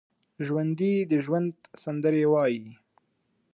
ژوندي د ژوند سندرې وايي